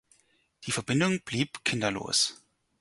Die Verbindung blieb kinderlos.